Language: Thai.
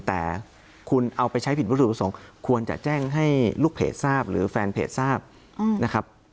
แต่คุณเอาไปใช้ผิดวัตถุประสงค์ควรจะแจ้งให้ลูกเพจทราบหรือแฟนเพจทราบนะครับ